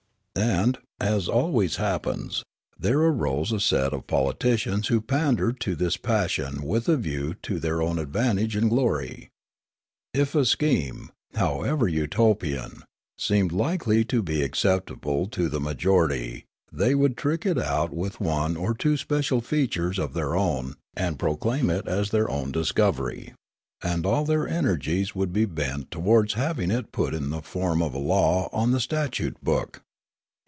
And, as always happens, there arose a set of poli ticians who pandered to this passion with a view to their own advantage and glory. If a scheme, however Utopian, seemed likely to be acceptable to the majority they would trick it out with one or two special features of their own and proclaim it as their own discovery ; and all their energies would be bent towards having it put in the form of a law on the statute book.